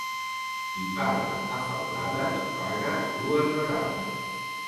Qui paga a faldades, paga dues vegades.